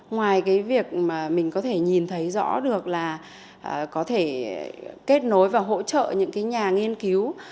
ngoài cái việc mà mình có thể nhìn thấy rõ được là có thể kết nối và hỗ trợ những cái nhà nghiên cứu